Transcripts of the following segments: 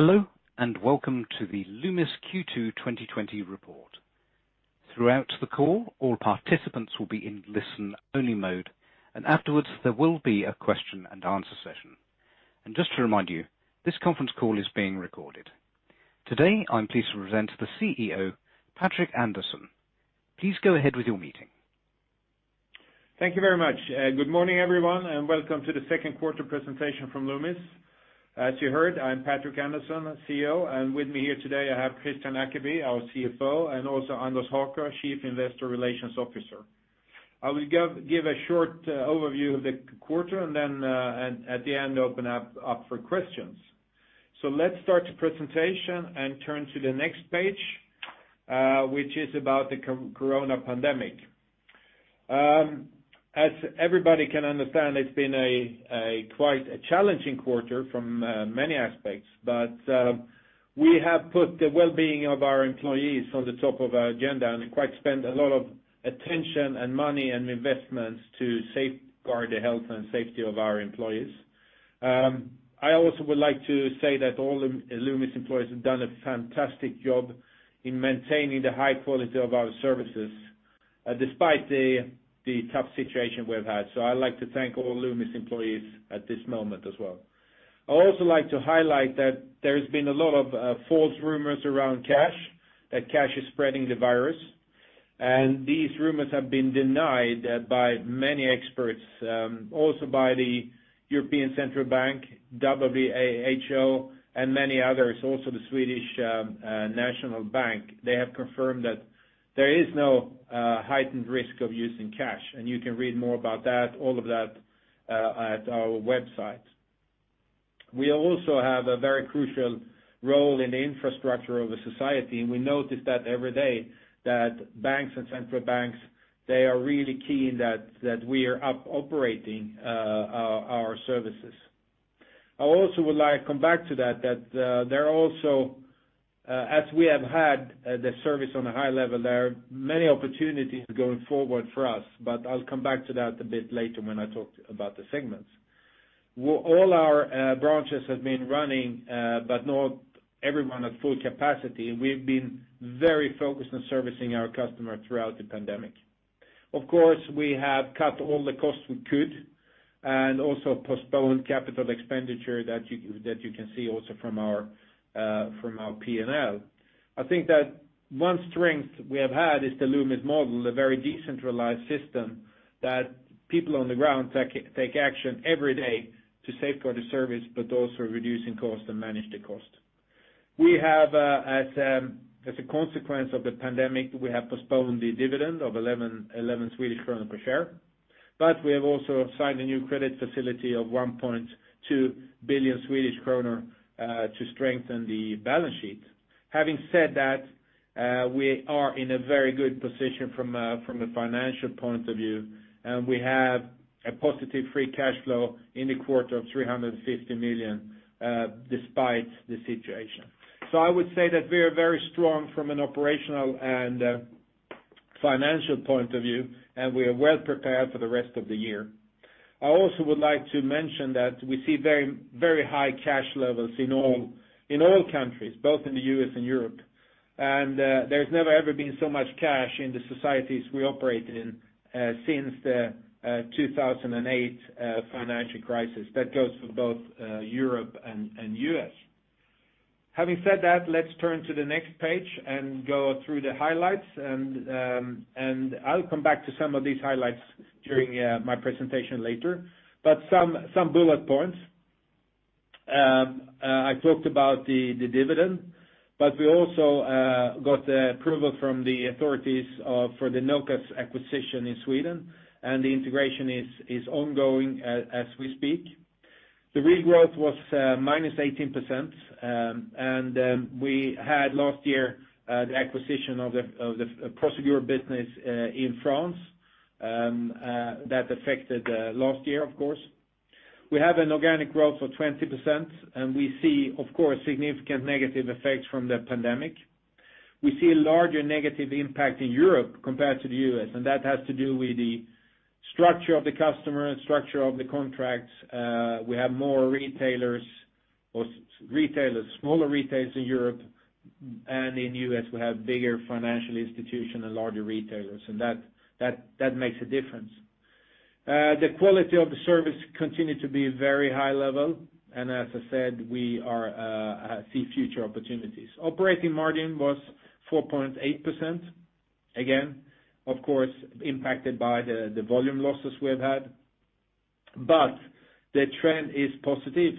Hello, welcome to the Loomis Q2 2020 report. Throughout the call, all participants will be in listen-only mode. Afterwards, there will be a question and answer session. Just to remind you, this conference call is being recorded. Today, I'm pleased to present the CEO, Patrik Andersson. Please go ahead with your meeting. Thank you very much. Good morning, everyone, and welcome to the second quarter presentation from Loomis. As you heard, I'm Patrik Andersson, CEO, and with me here today I have Kristian Ackeby, our CFO, and also Anders Haker, Chief Investor Relations Officer. I will give a short overview of the quarter and then at the end, open up for questions. Let's start the presentation and turn to the next page, which is about the COVID pandemic. As everybody can understand, it's been quite a challenging quarter from many aspects. We have put the well-being of our employees on the top of our agenda and spent a lot of attention, money, and investments to safeguard the health and safety of our employees. I also would like to say that all of Loomis employees have done a fantastic job in maintaining the high quality of our services despite the tough situation we've had. I'd like to thank all Loomis employees at this moment as well. I also like to highlight that there's been a lot of false rumors around cash, that cash is spreading the virus. These rumors have been denied by many experts, also by the European Central Bank, WHO, and many others, also the Swedish National Bank. They have confirmed that there is no heightened risk of using cash, and you can read more about all of that at our website. We also have a very crucial role in the infrastructure of a society, and we notice that every day that banks and central banks, they are really keen that we are operating our services. I also would like to come back to that, as we have had the service on a high level there, many opportunities going forward for us, but I'll come back to that a bit later when I talk about the segments. All our branches have been running, but not everyone at full capacity, and we've been very focused on servicing our customers throughout the pandemic. Of course, we have cut all the costs we could and also postponed capital expenditure that you can see also from our P&L. I think that one strength we have had is the Loomis model, a very decentralized system that people on the ground take action every day to safeguard the service but also reducing costs and manage the cost. As a consequence of the pandemic, we have postponed the dividend of 11 Swedish krona per share. We have also signed a new credit facility of 1.2 billion Swedish kronor to strengthen the balance sheet. Having said that, we are in a very good position from a financial point of view. We have a positive free cash flow in the quarter of 350 million despite the situation. I would say that we are very strong from an operational and financial point of view. We are well prepared for the rest of the year. I also would like to mention that we see very high cash levels in all countries, both in the U.S. and Europe. There's never ever been so much cash in the societies we operate in since the 2008 financial crisis. That goes for both Europe and U.S. Having said that, let's turn to the next page and go through the highlights, and I'll come back to some of these highlights during my presentation later. Some bullet points. I talked about the dividend, but we also got the approval from the authorities, for the Nokas acquisition in Sweden, and the integration is ongoing as we speak. The regrowth was -18%, and we had last year the acquisition of the Prosegur business in France, that affected last year, of course. We have an organic growth of 20%, and we see, of course, significant negative effects from the pandemic. We see a larger negative impact in Europe compared to the U.S., and that has to do with the structure of the customer and structure of the contracts. We have more retailers, smaller retailers in Europe, in U.S., we have bigger financial institutions and larger retailers. That makes a difference. The quality of the service continued to be very high level. As I said, we see future opportunities. Operating margin was 4.8%, again, of course, impacted by the volume losses we have had. The trend is positive.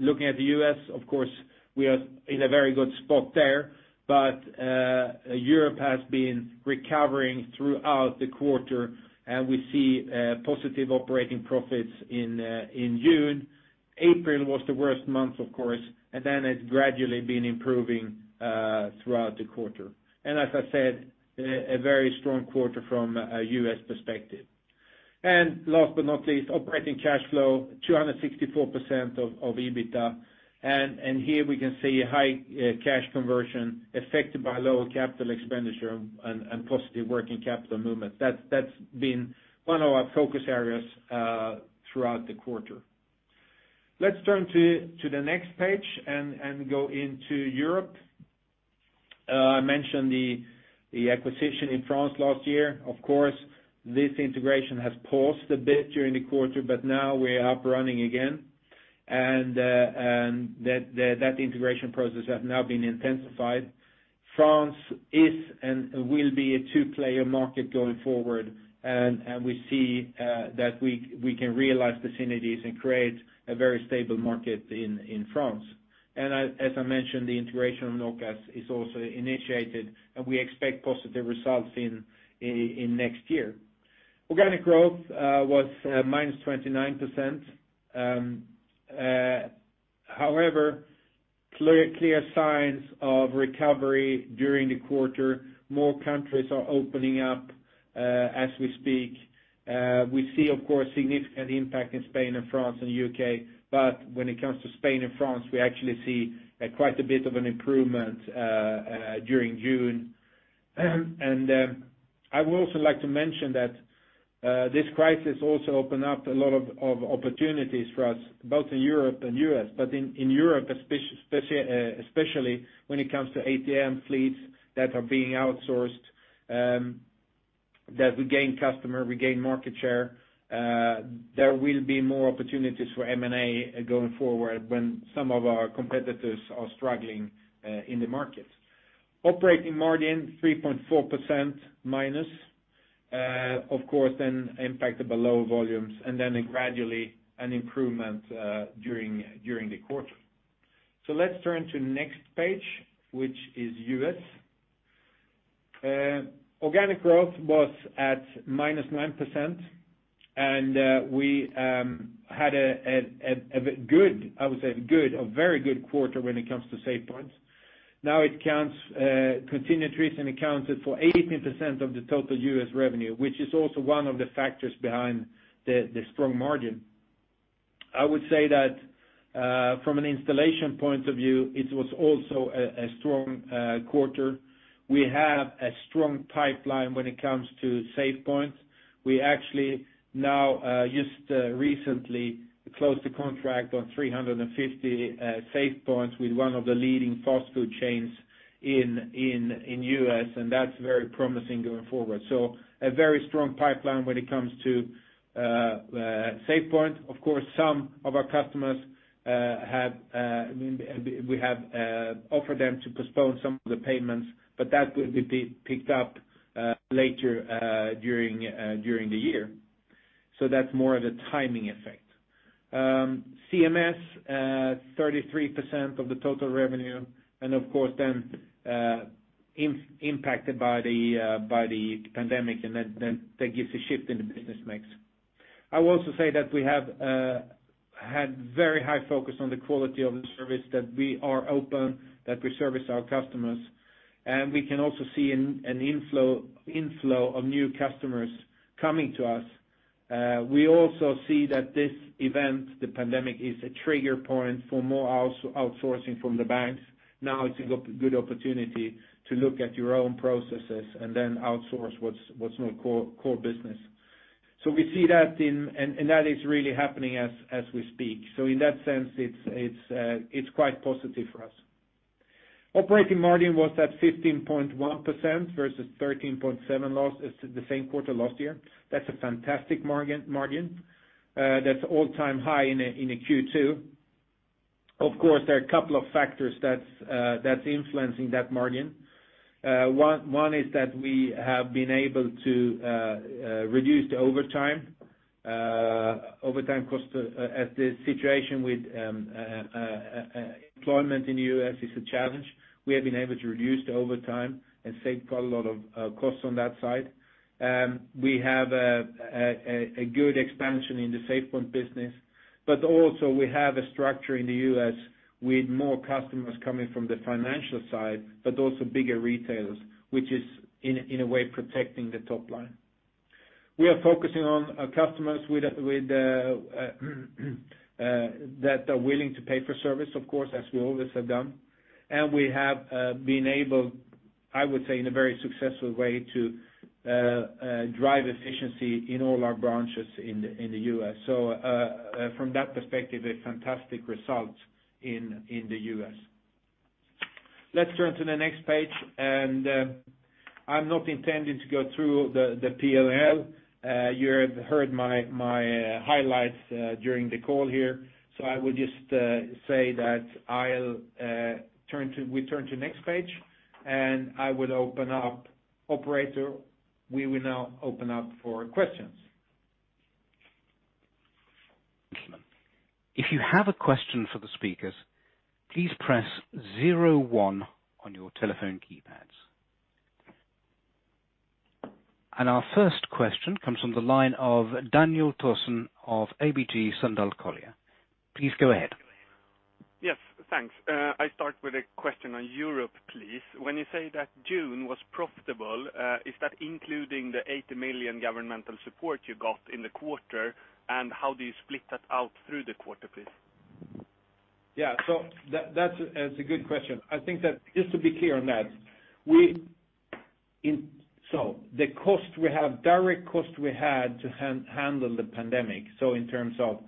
Looking at the U.S., of course, we are in a very good spot there. Europe has been recovering throughout the quarter. We see positive operating profits in June. April was the worst month, of course. Then it gradually been improving throughout the quarter. As I said, a very strong quarter from a U.S. perspective. Last but not least, operating cash flow 264% of EBITDA. Here we can see high cash conversion affected by lower capital expenditure and positive working capital movement. That's been one of our focus areas throughout the quarter. Let's turn to the next page and go into Europe. I mentioned the acquisition in France last year. Of course, this integration has paused a bit during the quarter, but now we are up running again. That integration process has now been intensified. France is and will be a two-player market going forward, and we see that we can realize the synergies and create a very stable market in France. As I mentioned, the integration of Nokas is also initiated, and we expect positive results in next year. Organic growth was -29%. However, clear signs of recovery during the quarter. More countries are opening up as we speak. We see, of course, significant impact in Spain and France and U.K. When it comes to Spain and France, we actually see quite a bit of an improvement during June. I would also like to mention that this crisis also opened up a lot of opportunities for us, both in Europe and U.S. In Europe, especially when it comes to ATM fleets that are being outsourced, that we gain customer, we gain market share. There will be more opportunities for M&A going forward when some of our competitors are struggling in the market. Operating margin, -3.4%, of course, then impacted by lower volumes. Gradually an improvement during the quarter. Let's turn to next page, which is U.S. Organic growth was at -9%. We had a very good quarter when it comes to SafePoint. Now continued Treasury accounts for 18% of the total U.S. revenue, which is also one of the factors behind the strong margin. I would say that from an installation point of view, it was also a strong quarter. We have a strong pipeline when it comes to SafePoint. We actually now just recently closed a contract on 350 SafePoint with one of the leading fast food chains in U.S., and that's very promising going forward. A very strong pipeline when it comes to SafePoint. Of course, some of our customers, we have offered them to postpone some of the payments, but that will be picked up later during the year. That's more of a timing effect. CMS, 33% of the total revenue, and of course then impacted by the pandemic, and that gives a shift in the business mix. I would also say that we have had very high focus on the quality of the service that we are open, that we service our customers. We can also see an inflow of new customers coming to us. We also see that this event, the pandemic, is a trigger point for more outsourcing from the banks. Now it's a good opportunity to look at your own processes and then outsource what's not core business. We see that, and that is really happening as we speak. In that sense, it's quite positive for us. Operating margin was at 15.1% versus 13.7% the same quarter last year. That's a fantastic margin. That's all-time high in a Q2. Of course, there are a couple of factors that's influencing that margin. One is that we have been able to reduce the overtime cost as the situation with employment in the U.S. is a challenge. We have been able to reduce the overtime and save quite a lot of costs on that side. We have a good expansion in the SafePoint business, but also we have a structure in the U.S. with more customers coming from the financial side, but also bigger retailers, which is in a way protecting the top line. We are focusing on our customers that are willing to pay for service, of course, as we always have done. We have been able, I would say, in a very successful way to drive efficiency in all our branches in the U.S. From that perspective, a fantastic result in the U.S. Let's turn to the next page. I'm not intending to go through the P&L. You have heard my highlights during the call here. I will just say that we turn to next page, and I will open up. Operator, we will now open up for questions. If you have a question for the speakers, please press zero one on your telephone keypads. Our first question comes from the line of Daniel Thorsen of ABG Sundal Collier. Please go ahead. Yes, thanks. I start with a question on Europe, please. When you say that June was profitable, is that including the 80 million governmental support you got in the quarter? How do you split that out through the quarter, please? Yeah. That's a good question. I think that just to be clear on that, the direct cost we had to handle the pandemic, so in terms of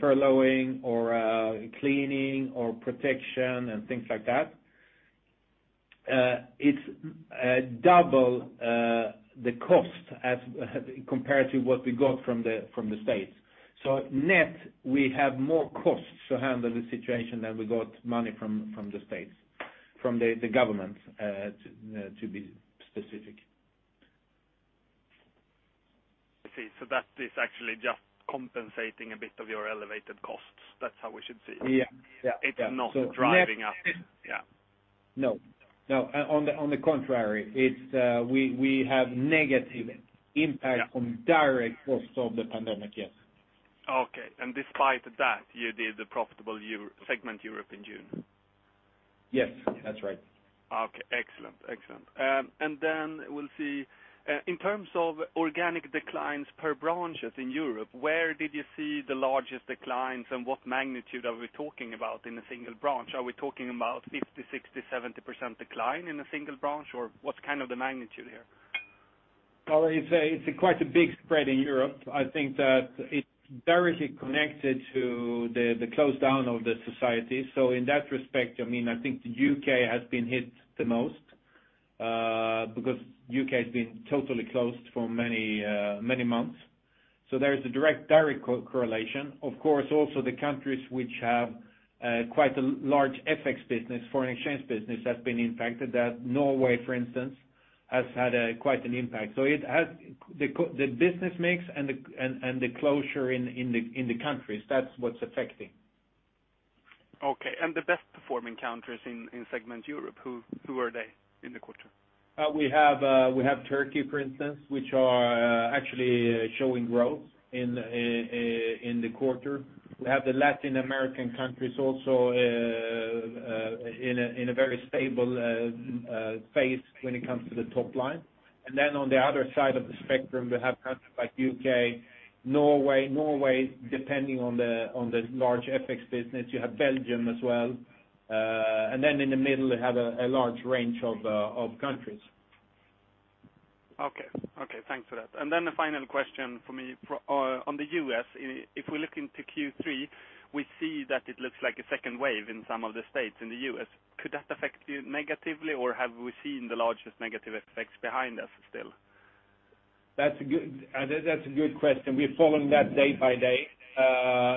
furloughing or cleaning or protection and things like that, it's double the cost compared to what we got from the states. Net, we have more costs to handle the situation than we got money from the states, from the government to be specific. I see. That is actually just compensating a bit of your elevated costs. That's how we should see it? It's not driving up. No. On the contrary, we have negative impact from direct costs of the pandemic. Yes. Okay. Despite that, you did the profitable segment Europe in June? Yes, that's right. Okay, excellent. Then we'll see, in terms of organic declines per branches in Europe, where did you see the largest declines and what magnitude are we talking about in a single branch? Are we talking about 50%, 60%, 70% decline in a single branch, or what's kind of the magnitude here? Well, it's quite a big spread in Europe. I think that it's directly connected to the close down of the society. In that respect, I think the U.K. has been hit the most, because U.K.'s been totally closed for many months. There is a direct correlation. Of course, also the countries which have quite a large FX business, foreign exchange business, has been impacted. Norway, for instance, has had quite an impact. The business mix and the closure in the countries, that's what's affecting. Okay. The best performing countries in segment Europe, who are they in the quarter? We have Turkey, for instance, which are actually showing growth in the quarter. We have the Latin American countries also in a very stable phase when it comes to the top line. Then on the other side of the spectrum, we have countries like U.K., Norway, depending on the large FX business. You have Belgium as well. Then in the middle, we have a large range of countries. Okay. Thanks for that. The final question from me on the U.S., if we look into Q3, we see that it looks like a second wave in some of the states in the U.S. Could that affect you negatively, or have we seen the largest negative effects behind us still? That's a good question. We're following that day by day.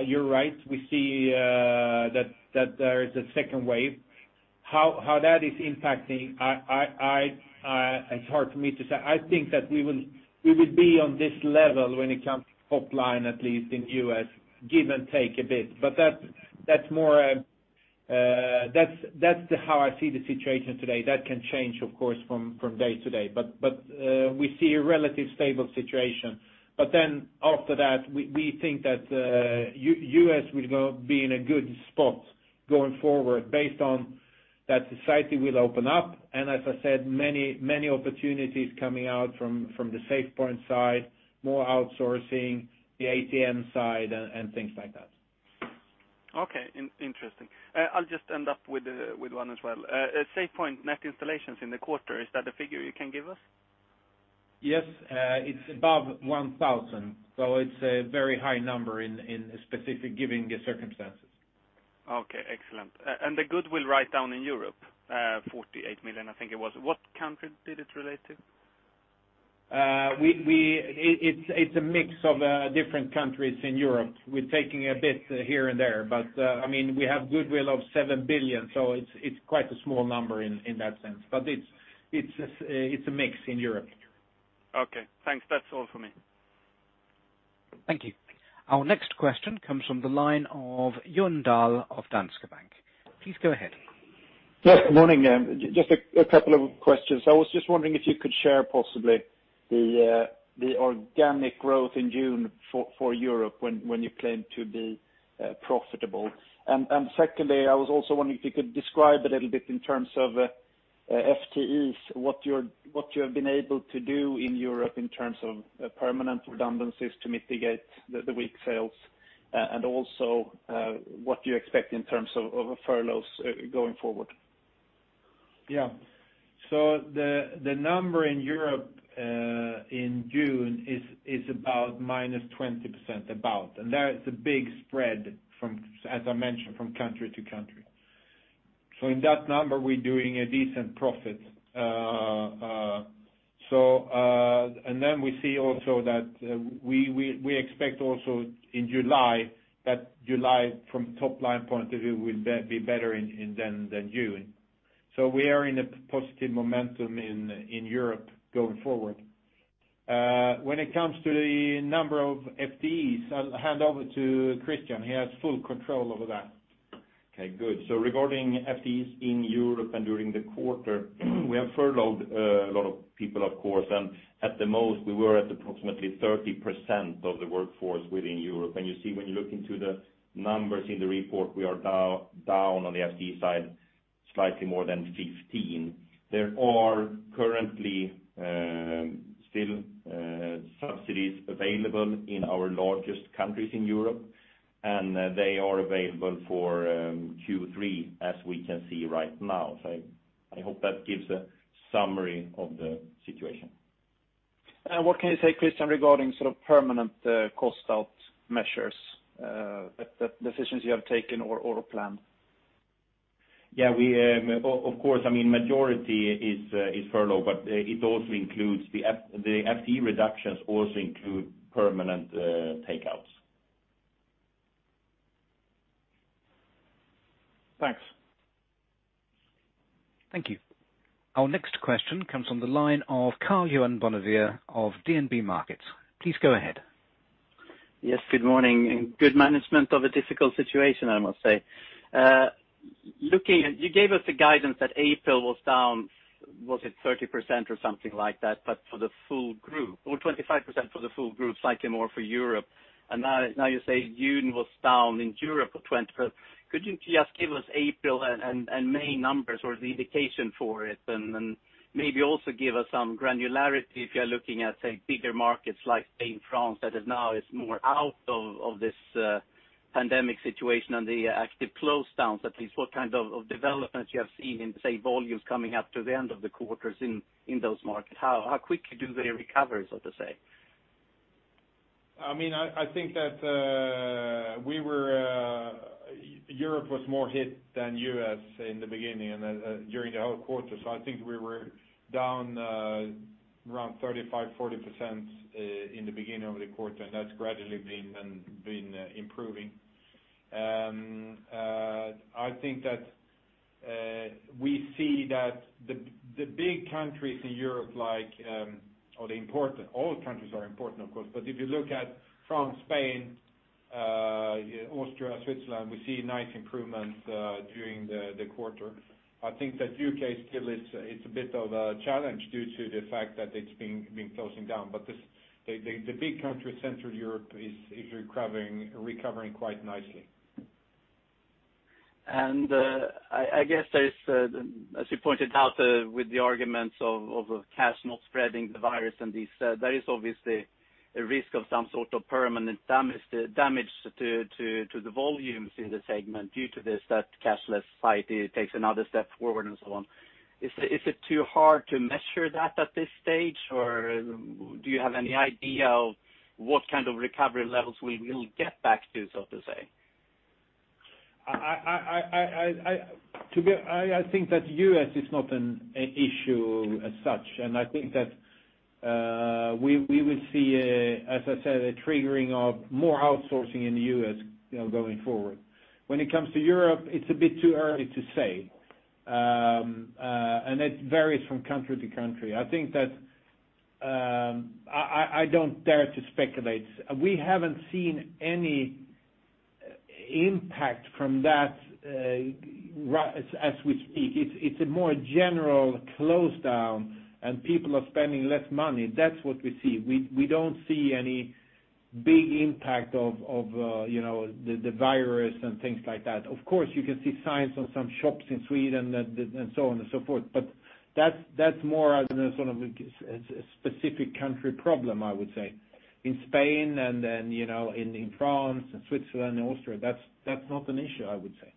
You're right. We see that there is a second wave. How that is impacting, it's hard for me to say. I think that we will be on this level when it comes to top line, at least in U.S., give and take a bit. That's how I see the situation today. That can change, of course, from day to day. We see a relative stable situation. After that, we think that U.S. will be in a good spot going forward based on that society will open up, and as I said, many opportunities coming out from the SafePoint side, more outsourcing the ATM side and things like that. Okay. Interesting. I'll just end up with one as well. SafePoint net installations in the quarter, is that a figure you can give us? Yes. It's above 1,000. It's a very high number in a specific, given the circumstances. Okay, excellent. The goodwill write-down in Europe, 48 million, I think it was, what country did it relate to? It's a mix of different countries in Europe. We're taking a bit here and there. We have goodwill of 7 billion, so it's quite a small number in that sense. It's a mix in Europe. Okay, thanks. That's all for me. Thank you. Our next question comes from the line of Johan Dahl of Danske Bank. Please go ahead. Yes, good morning. Just a couple of questions. I was just wondering if you could share possibly the organic growth in June for Europe when you claim to be profitable. Secondly, I was also wondering if you could describe a little bit in terms of FTEs, what you have been able to do in Europe in terms of permanent redundancies to mitigate the weak sales, and also what you expect in terms of furloughs going forward. Yeah. The number in Europe, in June is about -20%, about. There is a big spread, as I mentioned, from country to country. In that number, we're doing a decent profit. Then we see also that we expect also in July, that July from top-line point of view will be better than June. We are in a positive momentum in Europe going forward. When it comes to the number of FTEs, I'll hand over to Kristian. He has full control over that. Regarding FTEs in Europe and during the quarter, we have furloughed a lot of people, of course, and at the most, we were at approximately 30% of the workforce within Europe. You see, when you look into the numbers in the report, we are now down on the FTE side slightly more than 15. There are currently still subsidies available in our largest countries in Europe, and they are available for Q3 as we can see right now. I hope that gives a summary of the situation. What can you say, Kristian, regarding permanent cost out measures that decisions you have taken or plan? Yeah. Of course, majority is furlough, but the FTE reductions also include permanent takeouts. Thanks. Thank you. Our next question comes from the line of Karl Bonnevier of DNB Markets. Please go ahead. Good morning, good management of a difficult situation, I must say. You gave us the guidance that April was down, was it 30% or something like that, for the full group, or 25% for the full group, slightly more for Europe. Now you say June was down in Europe for 20%. Could you just give us April and May numbers or the indication for it, then maybe also give us some granularity if you're looking at, say, bigger markets like, say, in France that is now more out of this pandemic situation and the active closedowns, at least what kind of developments you have seen in, say, volumes coming up to the end of the quarters in those markets? How quickly do they recover, so to say? I think that Europe was more hit than U.S. in the beginning and then during the whole quarter. I think we were down around 35%, 40% in the beginning of the quarter, and that's gradually been improving. I think that we see that the big countries in Europe like France, Spain, Austria, Switzerland, we see nice improvements during the quarter. I think that U.K. still it's a bit of a challenge due to the fact that it's been closing down. The big country, Central Europe, is recovering quite nicely. I guess there is, as you pointed out, with the arguments of cash not spreading the virus and this, there is obviously a risk of some sort of permanent damage to the volumes in the segment due to this, that cashless society takes another step forward and so on. Is it too hard to measure that at this stage, or do you have any idea of what kind of recovery levels we will get back to, so to say? I think that U.S. is not an issue as such. I think that we will see, as I said, a triggering of more outsourcing in the U.S. going forward. When it comes to Europe, it's a bit too early to say. It varies from country to country. I don't dare to speculate. We haven't seen any impact from that as we speak. It's a more general close down, and people are spending less money. That's what we see. We don't see any big impact of the virus and things like that. Of course, you can see signs on some shops in Sweden and so on and so forth, that's more as a sort of a specific country problem, I would say. In Spain and then in France and Switzerland and Austria, that's not an issue, I would say.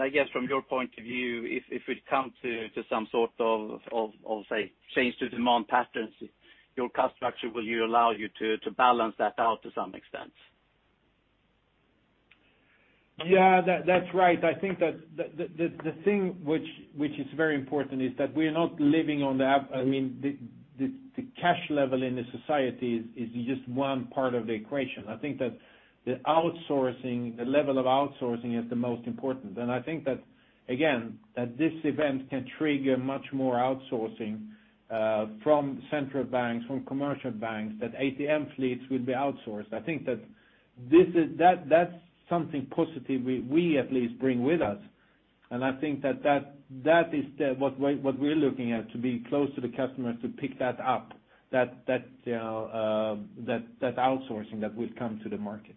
I guess from your point of view, if it come to some sort of, say, change to demand patterns, your cost structure, will you allow you to balance that out to some extent? Yeah. That's right. I think that the thing which is very important is that we are not living on the app. The cash level in the society is just one part of the equation. I think that the level of outsourcing is the most important. I think that, again, that this event can trigger much more outsourcing from central banks, from commercial banks, that ATM fleets will be outsourced. I think that that's something positive we at least bring with us, and I think that is what we're looking at, to being close to the customer to pick that up, that outsourcing that will come to the market.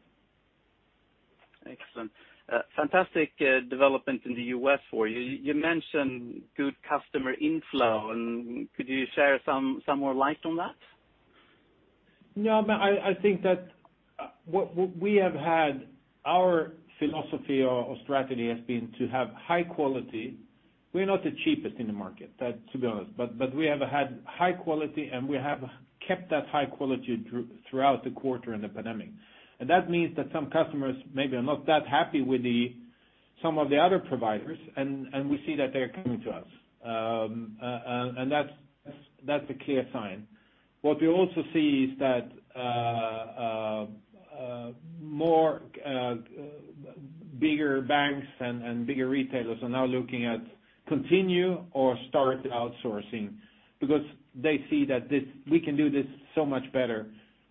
Excellent. Fantastic development in the U.S. for you. You mentioned good customer inflow, and could you share some more light on that? No, I think that our philosophy or strategy has been to have high quality. We're not the cheapest in the market, to be honest, but we have had high quality, and we have kept that high quality throughout the quarter and the pandemic. That means that some customers maybe are not that happy with some of the other providers, and we see that they're coming to us. That's a clear sign. What we also see is that more bigger banks and bigger retailers are now looking at continue or start outsourcing because they see that we can do this so much better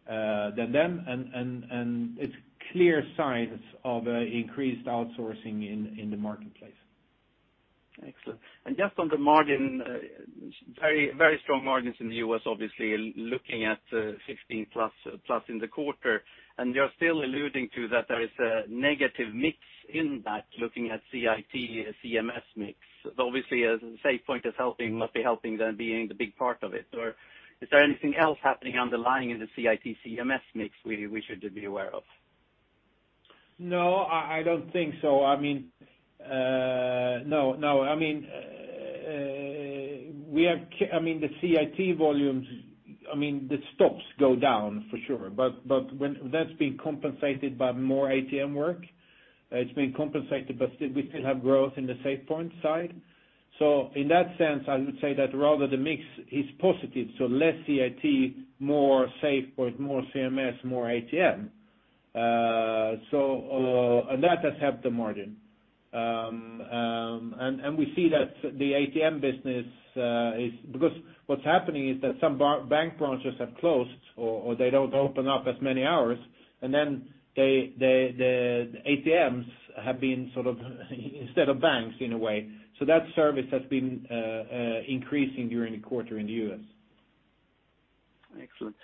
than them, and it's clear signs of increased outsourcing in the marketplace. Excellent. Just on the margin, very strong margins in the U.S., obviously, looking at 16+ in the quarter, and you're still alluding to that there is a negative mix in that, looking at CIT, CMS mix. Obviously, as SafePoint is helping, must be helping them being the big part of it. Or is there anything else happening underlying in the CIT, CMS mix we should be aware of? No, I don't think so. No. The CIT volumes, the stocks go down for sure, but that's been compensated by more ATM work. It's been compensated, but we still have growth in the SafePoint side. In that sense, I would say that rather the mix is positive, less CIT, more SafePoint, more CMS, more ATM. That has helped the margin. We see that the ATM business. Because what's happening is that some bank branches have closed or they don't open up as many hours, and then the ATMs have been instead of banks in a way. That service has been increasing during the quarter in the U.S. Excellent.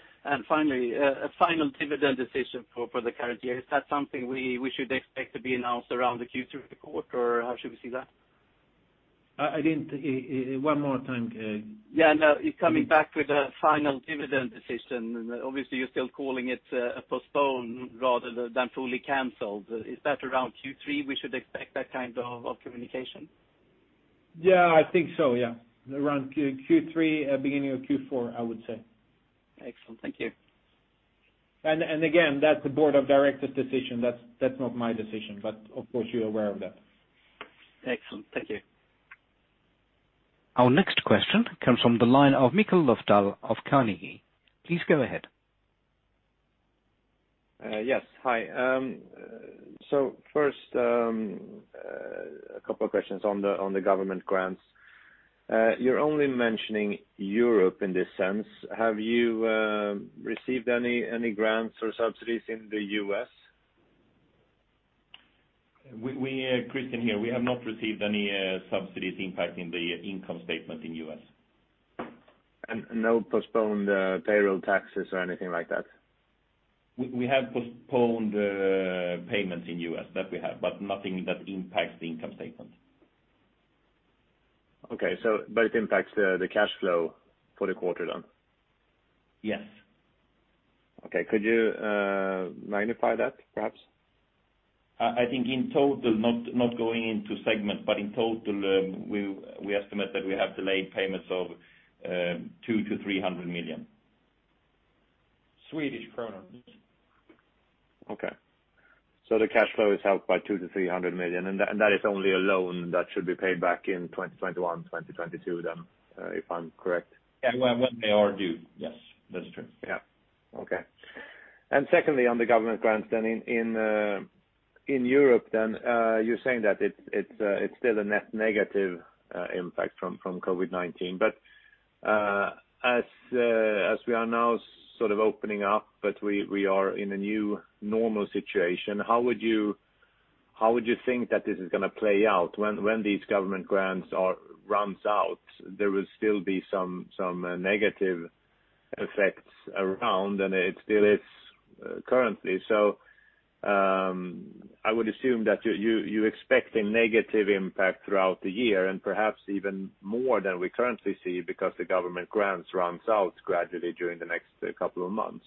Finally, a final dividend decision for the current year. Is that something we should expect to be announced around the Q3 quarter, or how should we see that? One more time. Yeah, no, coming back with a final dividend decision. Obviously, you're still calling it a postpone rather than fully canceled. Is that around Q3 we should expect that kind of communication? Yeah, I think so. Around Q3, beginning of Q4, I would say. Excellent. Thank you. Again, that's the board of directors decision. That's not my decision, but of course, you're aware of that. Excellent. Thank you. Our next question comes from the line of Mikael Löfdahl of Carnegie. Please go ahead. Yes. Hi. First, a couple of questions on the government grants. You're only mentioning Europe in this sense. Have you received any grants or subsidies in the U.S.? Kristian here. We have not received any subsidies impacting the income statement in U.S. No postponed payroll taxes or anything like that? We have postponed payments in U.S. That we have, but nothing that impacts the income statement. Okay. It impacts the cash flow for the quarter then? Yes. Okay. Could you magnify that perhaps? I think in total, not going into segments, but in total, we estimate that we have delayed payments of 200 million-300 million. Swedish kronor. The cash flow is helped by 200 million-300 million, and that is only a loan that should be paid back in 2021, 2022 then, if I'm correct? When they are due. Yes, that's true. Yeah. Okay. Secondly, on the government grants in Europe, you're saying that it's still a net negative impact from COVID-19. As we are now opening up, we are in a new normal situation, how would you think that this is going to play out when these government grants runs out? There will still be some negative effects around, and it still is currently. I would assume that you're expecting negative impact throughout the year and perhaps even more than we currently see because the government grants runs out gradually during the next couple of months.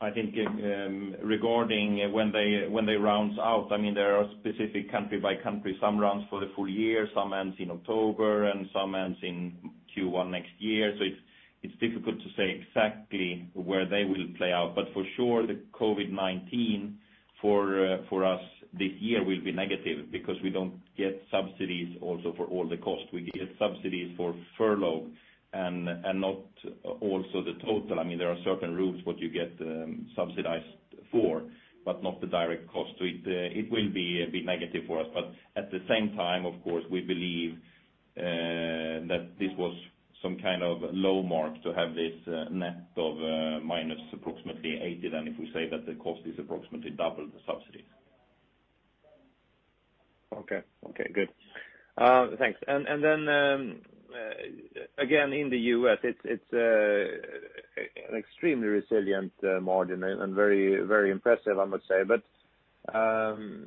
I think regarding when they runs out, there are specific country by country. Some runs for the full year, some ends in October, and some ends in Q1 next year. It's difficult to say exactly where they will play out. For sure, the COVID-19 for us this year will be negative because we don't get subsidies also for all the costs. We get subsidies for furlough and not also the total. There are certain rules what you get subsidized for, but not the direct cost. It will be a bit negative for us. At the same time, of course, we believe that this was some kind of low mark to have this net of minus approximately 80 than if we say that the cost is approximately double the subsidy. Okay, good. Thanks. Again, in the U.S., it's an extremely resilient margin and very impressive, I must say.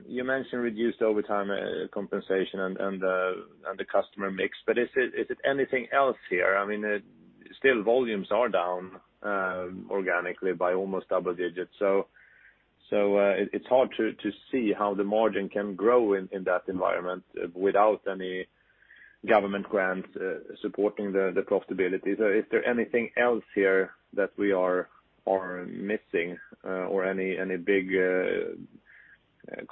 You mentioned reduced overtime compensation and the customer mix. Is it anything else here? Still volumes are down organically by almost double digits. It's hard to see how the margin can grow in that environment without any government grants supporting the profitability. Is there anything else here that we are missing or any big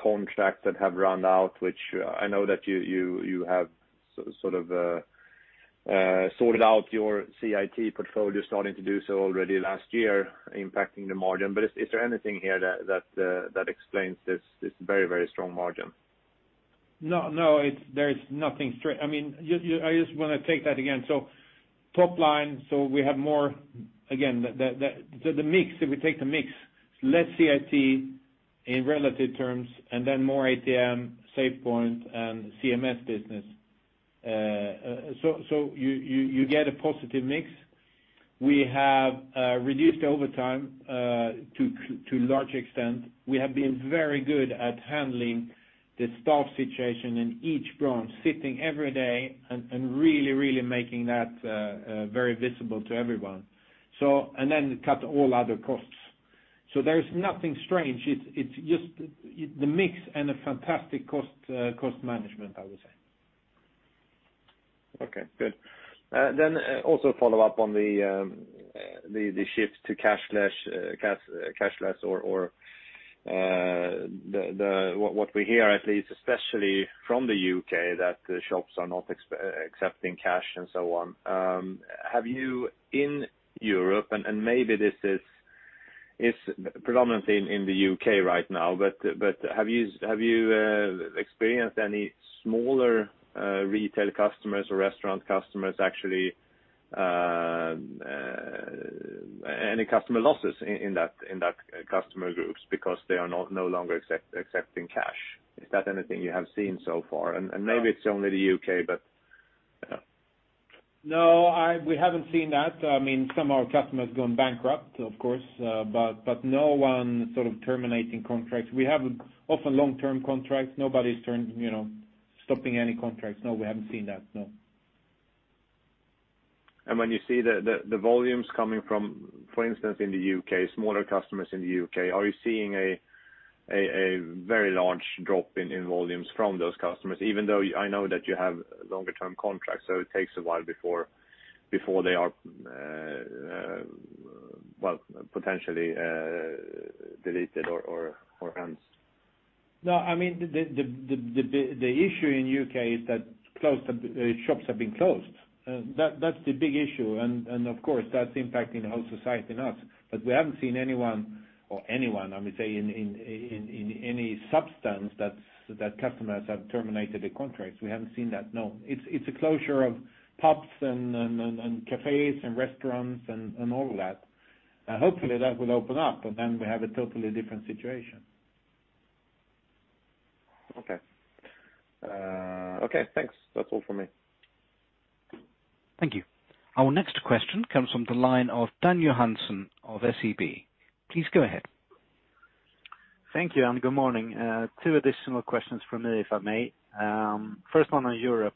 contracts that have run out, which I know that you have sort of sorted out your CIT portfolio, starting to do so already last year impacting the margin. Is there anything here that explains this very strong margin? No. There is nothing strange. I just want to take that again. Top line, we have more, again, if we take the mix, less CIT in relative terms, and then more ATM, SafePoint, and CMS business. You get a positive mix. We have reduced overtime to large extent. We have been very good at handling the staff situation in each branch, sitting every day and really making that very visible to everyone. Cut all other costs. There's nothing strange. It's just the mix and a fantastic cost management, I would say. Okay, good. Also follow up on the shift to cashless or what we hear at least, especially from the U.K., that shops are not accepting cash and so on. Have you in Europe, and maybe this is predominantly in the U.K. right now, but have you experienced any smaller retail customers or restaurant customers actually any customer losses in that customer groups because they are no longer accepting cash? Is that anything you have seen so far? Maybe it's only the U.K. No, we haven't seen that. Some of our customers gone bankrupt, of course. No one sort of terminating contracts. We have often long-term contracts. Nobody's stopping any contracts. No, we haven't seen that. No. When you see the volumes coming from, for instance, in the U.K., smaller customers in the U.K., are you seeing a very large drop in volumes from those customers, even though I know that you have longer-term contracts, so it takes a while before they are potentially deleted or ends? The issue in the U.K. is that shops have been closed. That's the big issue, of course, that's impacting the whole society, not us. We haven't seen anyone, I would say, in any substance, that customers have terminated the contracts. We haven't seen that, no. It's a closure of pubs and cafes and restaurants and all of that. Hopefully, that will open up, and then we have a totally different situation. Okay. Okay, thanks. That's all for me. Thank you. Our next question comes from the line of Dan Johansson of SEB. Please go ahead. Thank you. Good morning. Two additional questions from me, if I may. First one on Europe.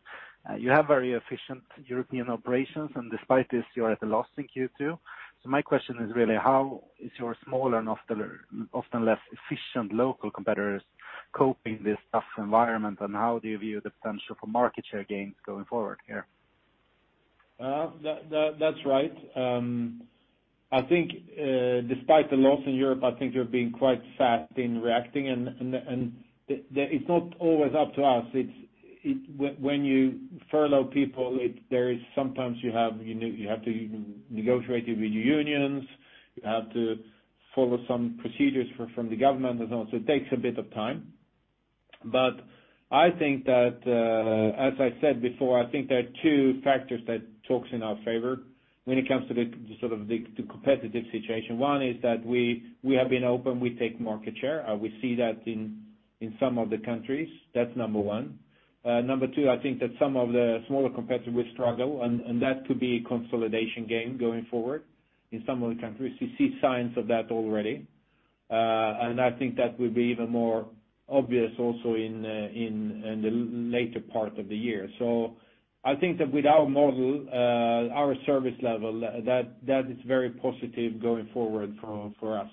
You have very efficient European operations, and despite this, you are at a loss in Q2. My question is really how is your smaller and often less efficient local competitors coping with this tough environment, and how do you view the potential for market share gains going forward here? That's right. I think despite the loss in Europe, I think we've been quite fast in reacting. It's not always up to us. When you furlough people, sometimes you have to negotiate it with your unions. You have to follow some procedures from the government and all. It takes a bit of time. I think that, as I said before, I think there are two factors that talks in our favor when it comes to the competitive situation. One is that we have been open, we take market share. We see that in some of the countries. That's number one. Number two, I think that some of the smaller competitors will struggle. That could be a consolidation game going forward in some of the countries. We see signs of that already. I think that will be even more obvious also in the later part of the year. I think that with our model, our service level, that is very positive going forward for us.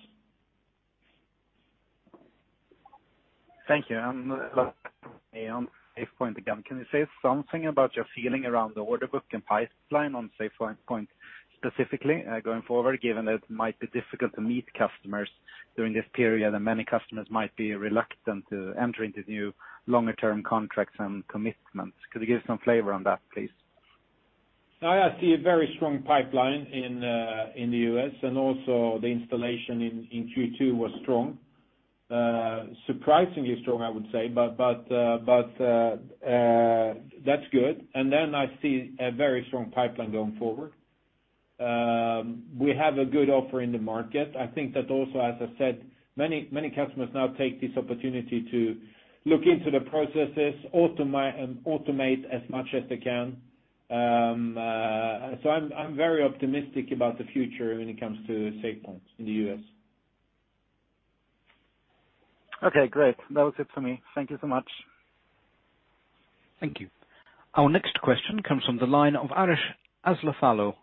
Thank you. Last thing on SafePoint again. Can you say something about your feeling around the order book and pipeline on SafePoint specifically going forward, given that it might be difficult to meet customers during this period, and many customers might be reluctant to enter into new longer term contracts and commitments? Could you give some flavor on that, please? I see a very strong pipeline in the U.S. Also, the installation in Q2 was strong. Surprisingly strong, I would say. That's good. I see a very strong pipeline going forward. We have a good offer in the market. I think that also, as I said, many customers now take this opportunity to look into the processes, automate as much as they can. I'm very optimistic about the future when it comes to SafePoint in the U.S. Okay, great. That was it for me. Thank you so much. Thank you. Our next question comes from the line of Arash Aslani of Goldman Sachs. Please go ahead.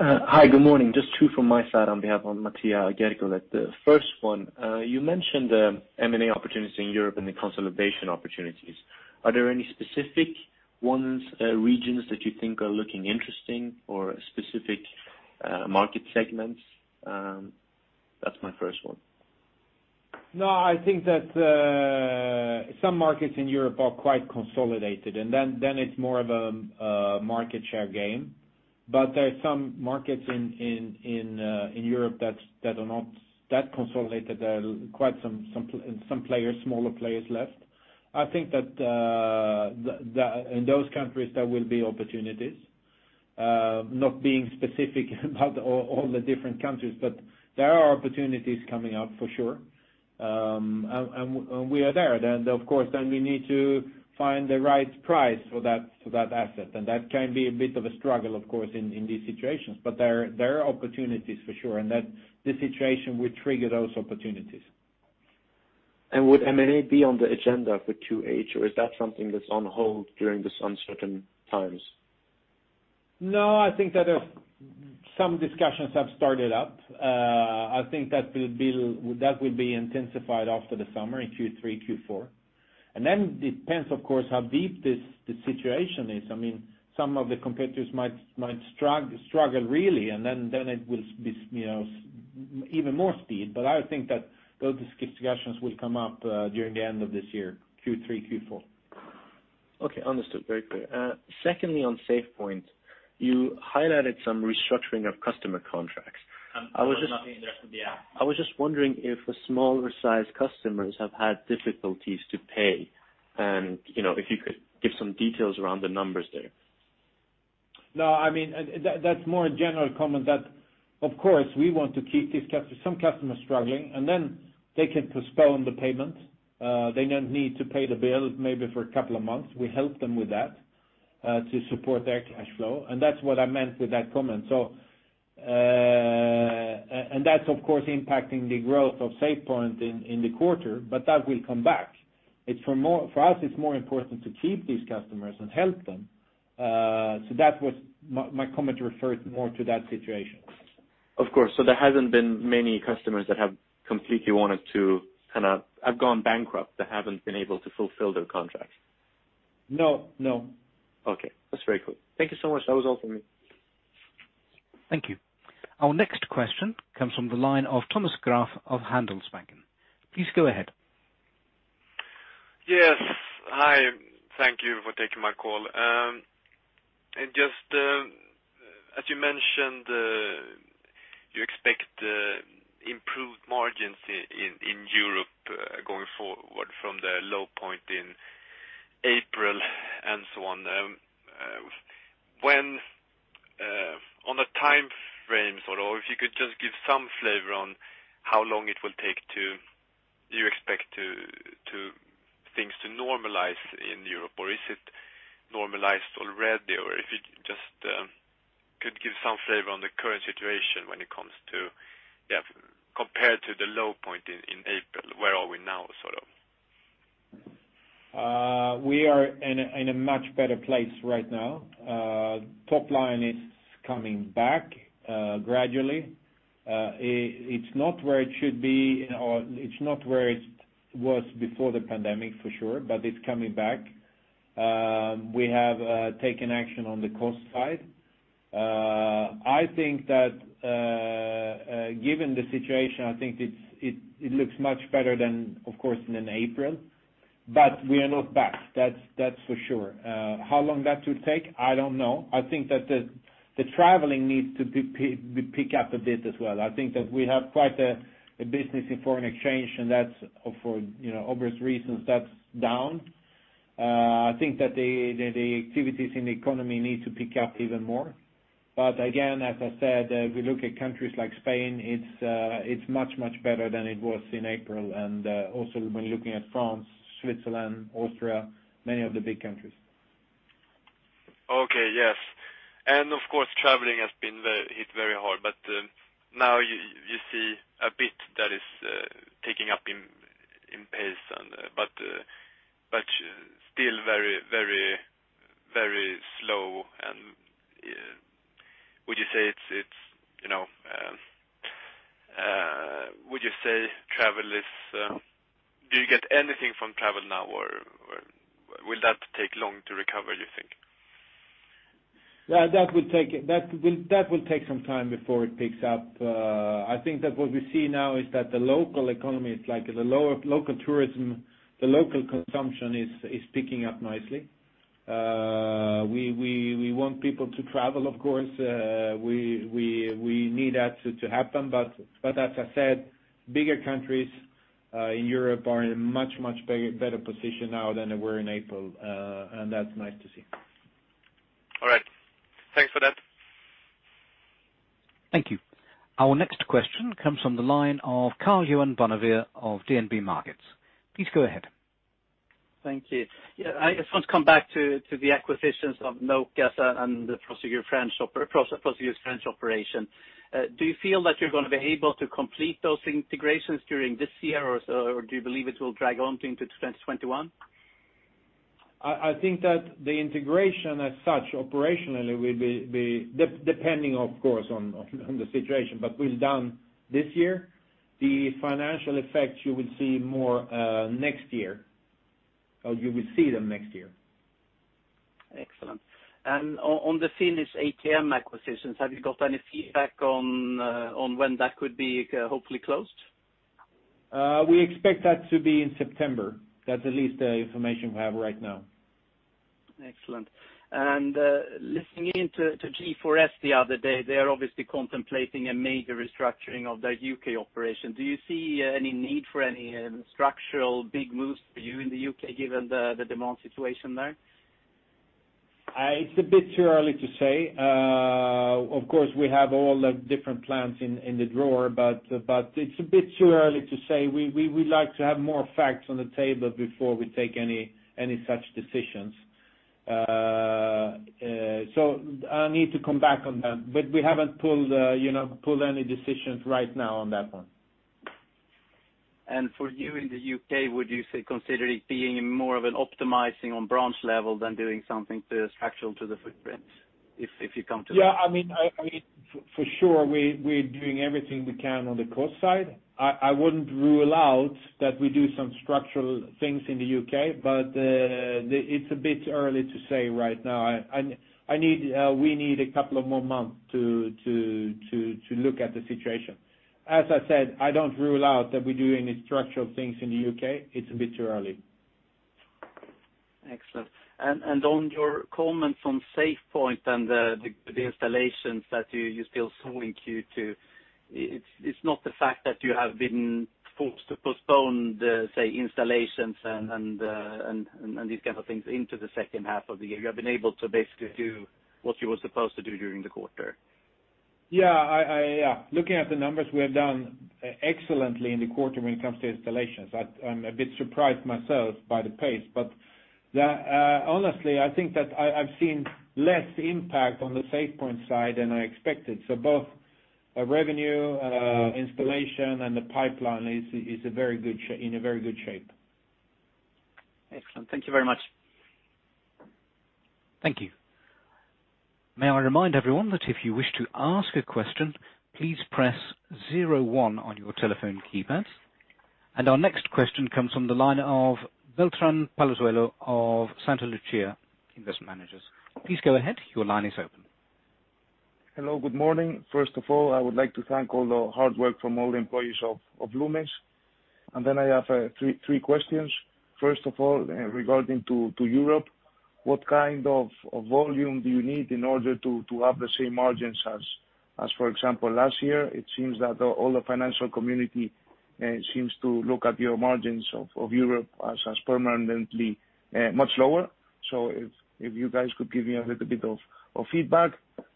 Hi, good morning. Just two from my side on behalf of Mattia Guerini. The first one, you mentioned the M&A opportunity in Europe and the consolidation opportunities. Are there any specific ones, regions that you think are looking interesting or specific market segments? That's my first one. I think that some markets in Europe are quite consolidated, then it's more of a market share game. There are some markets in Europe that are not that consolidated. There are quite some players, smaller players left. I think that in those countries, there will be opportunities. Not being specific about all the different countries, there are opportunities coming up for sure. We are there. Of course, then we need to find the right price for that asset, that can be a bit of a struggle, of course, in these situations. There are opportunities for sure, the situation will trigger those opportunities. Would M&A be on the agenda for 2H, or is that something that's on hold during this uncertain times? No, I think that some discussions have started up. I think that will be intensified after the summer in Q3, Q4. It depends, of course, how deep the situation is. Some of the competitors might struggle really, and then it will be even more speed. I think that those discussions will come up during the end of this year, Q3, Q4. Okay. Understood. Very clear. Secondly, on SafePoint, you highlighted some restructuring of customer contracts. Nothing in the rest of the app. I was just wondering if the smaller size customers have had difficulties to pay? If you could give some details around the numbers there. That's more a general comment that, of course, we want to keep these customers. Some customers struggling, they can postpone the payment. They don't need to pay the bill maybe for a couple of months. We help them with that, to support their cash flow. That's what I meant with that comment. That's, of course, impacting the growth of SafePoint in the quarter, that will come back. For us, it's more important to keep these customers and help them. My comment refers more to that situation. Of course. There hasn't been many customers that have completely wanted to have gone bankrupt, that haven't been able to fulfill their contracts? No. Okay. That's very clear. Thank you so much. That was all for me. Thank you. Our next question comes from the line of Thomas Graf of Handelsbanken. Please go ahead. Yes. Hi, thank you for taking my call. Just as you mentioned, you expect improved margins in Europe going forward from the low point in April, and so on. On a timeframe, or if you could just give some flavor on how long it will take to You expect things to normalize in Europe, or is it normalized already? Or if you just could give some flavor on the current situation when it comes to, compared to the low point in April, where are we now? We are in a much better place right now. Topline is coming back gradually. It's not where it should be, or it's not where it was before the pandemic, for sure, but it's coming back. We have taken action on the cost side. I think that given the situation, I think it looks much better than, of course, in April. We are not back, that's for sure. How long that will take, I don't know. I think that the traveling needs to pick up a bit as well. I think that we have quite a business in foreign exchange, and for obvious reasons, that's down. I think that the activities in the economy need to pick up even more. Again, as I said, if we look at countries like Spain, it's much, much better than it was in April. Also when looking at France, Switzerland, Austria, many of the big countries. Okay. Yes. Of course, traveling has been hit very hard. Now you see a bit that is picking up in pace, but still very slow. Do you get anything from travel now, or will that take long to recover, you think? That will take some time before it picks up. I think that what we see now is that the local economy, the local tourism, the local consumption is picking up nicely. We want people to travel, of course. We need that to happen. As I said, bigger countries in Europe are in a much, much better position now than they were in April. That's nice to see. All right. Thanks for that. Thank you. Our next question comes from the line of Karl Bonnevier of DNB Markets. Please go ahead. Thank you. I just want to come back to the acquisitions of Nokas and the Prosegur French operation. Do you feel that you're going to be able to complete those integrations during this year, or do you believe it will drag on into 2021? I think that the integration as such, operationally, depending, of course, on the situation, but will be done this year. The financial effects you will see more next year. You will see them next year. Excellent. On the Finnish ATM acquisitions, have you got any feedback on when that could be hopefully closed? We expect that to be in September. That's the least information we have right now. Excellent. Listening in to G4S the other day, they are obviously contemplating a major restructuring of their U.K. operation. Do you see any need for any structural big moves for you in the U.K. given the demand situation there? It's a bit too early to say. Of course, we have all the different plans in the drawer, but it's a bit too early to say. We would like to have more facts on the table before we take any such decisions. I need to come back on that, but we haven't pulled any decisions right now on that one. For you in the U.K., would you say considering being more of an optimizing on branch level than doing something structural to the footprints if you come to that? Yeah. For sure, we're doing everything we can on the cost side. I wouldn't rule out that we do some structural things in the U.K., but it's a bit early to say right now. We need a couple of more months to look at the situation. As I said, I don't rule out that we do any structural things in the U.K. It's a bit early. Excellent. On your comments on SafePoint and the installations that you're still seeing in Q2, it's not the fact that you have been forced to postpone the, say, installations and these kinds of things into the second half of the year. You have been able to basically do what you were supposed to do during the quarter. Looking at the numbers, we have done excellently in the quarter when it comes to installations. I'm a bit surprised myself by the pace, but honestly, I think that I've seen less impact on the SafePoint side than I expected. Both revenue, installation, and the pipeline is in a very good shape. Excellent. Thank you very much. Thank you. May I remind everyone that if you wish to ask a question, please press zero one on your telephone keypad. Our next question comes from the line of Beltrán Palazuelo of Santalucía Asset Management. Please go ahead. Your line is open. Hello, good morning. First of all, I would like to thank all the hard work from all the employees of Loomis. I have three questions. First of all, regarding to Europe, what kind of volume do you need in order to have the same margins as, for example, last year? It seems that all the financial community seems to look at your margins of Europe as permanently much lower. If you guys could give me a little bit of feedback.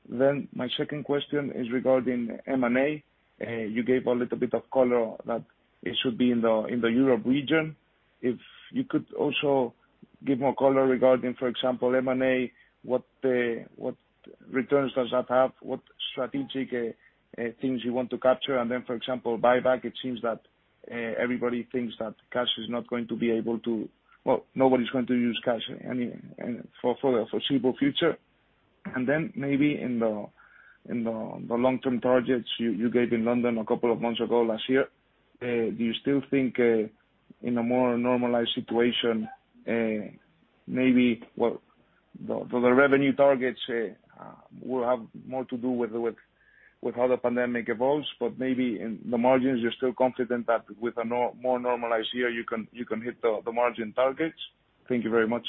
My second question is regarding M&A. You gave a little bit of color that it should be in the Europe region. If you could also give more color regarding, for example, M&A, what returns does that have, what strategic things you want to capture? For example, buyback, it seems that everybody thinks that nobody's going to use cash for the foreseeable future. Maybe in the long-term targets you gave in London a couple of months ago last year, do you still think in a more normalized situation, maybe the revenue targets will have more to do with how the pandemic evolves, but maybe in the margins, you're still confident that with a more normalized year, you can hit the margin targets? Thank you very much.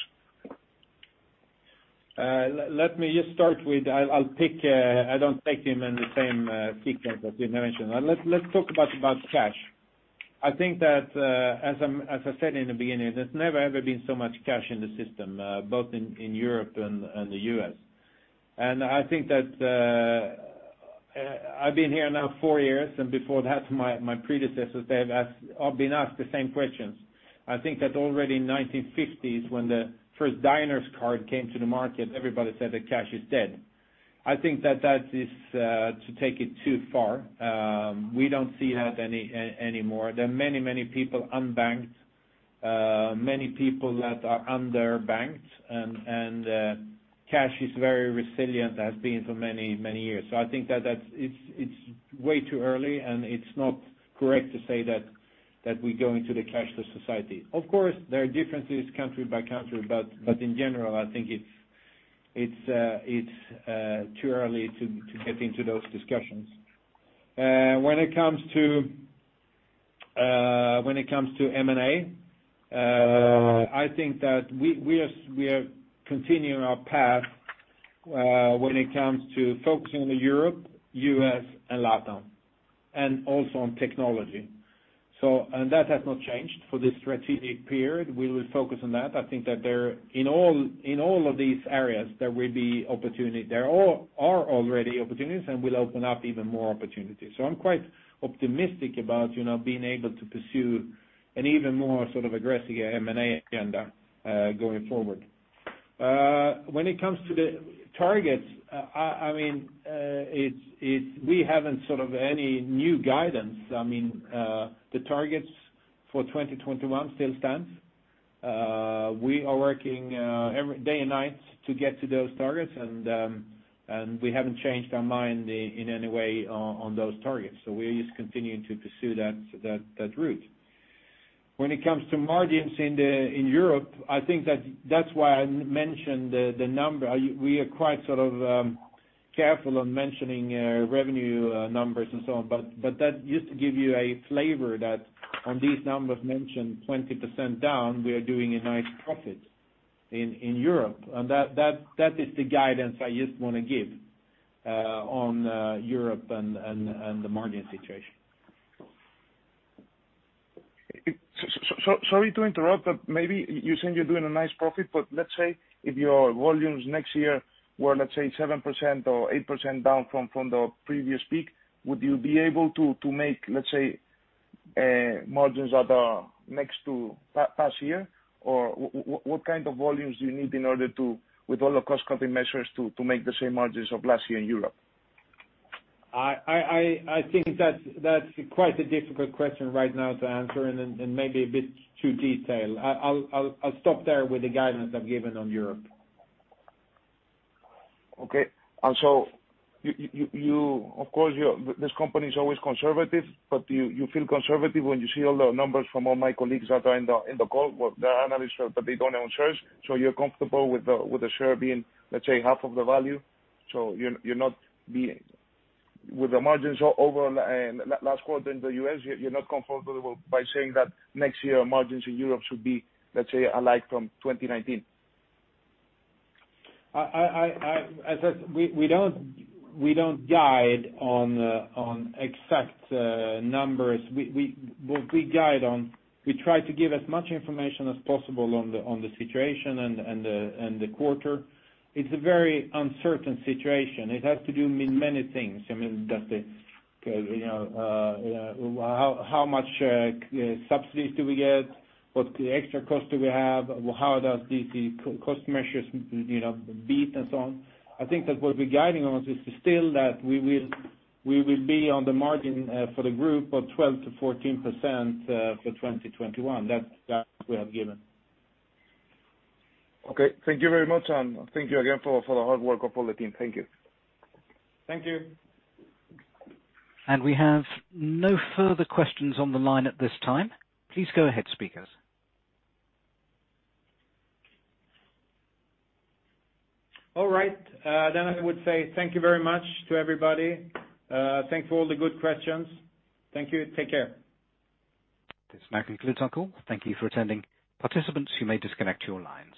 Let me just start with, I don't take them in the same sequence that you mentioned. Let's talk about cash. I think that, as I said in the beginning, there's never, ever been so much cash in the system, both in Europe and the U.S. I think that I've been here now four years, and before that, my predecessors, they've all been asked the same questions. I think that already in 1950s, when the first Diners card came to the market, everybody said that cash is dead. I think that is to take it too far. We don't see that anymore. There are many people unbanked, many people that are underbanked, and cash is very resilient, has been for many, many years. I think that it's way too early, and it's not correct to say that we're going to the cashless society. There are differences country by country, but in general, I think it's too early to get into those discussions. When it comes to M&A, I think that we are continuing our path, when it comes to focusing on Europe, U.S., and Latin, and also on technology. That has not changed for this strategic period. We will focus on that. I think that in all of these areas, there will be opportunity. There are already opportunities and will open up even more opportunities. I'm quite optimistic about being able to pursue an even more sort of aggressive M&A agenda going forward. When it comes to the targets, we haven't any new guidance. The targets for 2021 still stands. We are working day and night to get to those targets, and we haven't changed our mind in any way on those targets. We're just continuing to pursue that route. When it comes to margins in Europe, I think that's why I mentioned the number. We are quite careful on mentioning revenue numbers and so on. That just to give you a flavor that on these numbers mentioned 20% down, we are doing a nice profit in Europe. That is the guidance I just want to give on Europe and the margin situation. Sorry to interrupt, maybe you think you're doing a nice profit, but let's say if your volumes next year were, let's say, 7% or 8% down from the previous peak, would you be able to make, let's say, margins that are next to past year? What kind of volumes do you need in order to, with all the cost-cutting measures, to make the same margins of last year in Europe? I think that's quite a difficult question right now to answer and maybe a bit too detailed. I'll stop there with the guidance I've given on Europe. Okay. Of course, this company is always conservative, but you feel conservative when you see all the numbers from all my colleagues that are in the call, the analysts, but they don't own shares. You're comfortable with the share being, let's say, half of the value. With the margins over last quarter in the U.S., you're not comfortable by saying that next year margins in Europe should be, let's say, alike from 2019? As I said, we don't guide on exact numbers. What we guide on, we try to give as much information as possible on the situation and the quarter. It's a very uncertain situation. It has to do with many things. How much subsidies do we get? What extra cost do we have? How does these cost measures beat and so on? I think that what we're guiding on is still that we will be on the margin for the group of 12%-14% for 2021. That we have given. Okay. Thank you very much, and thank you again for the hard work of all the team. Thank you. Thank you. We have no further questions on the line at this time. Please go ahead, speakers. All right. I would say thank you very much to everybody. Thanks for all the good questions. Thank you. Take care. This now concludes our call. Thank you for attending. Participants, you may disconnect your lines.